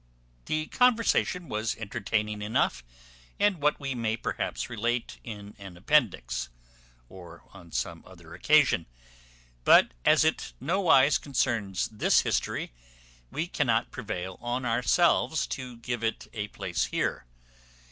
The conversation was entertaining enough, and what we may perhaps relate in an appendix, or on some other occasion; but as it nowise concerns this history, we cannot prevail on ourselves to give it a place here.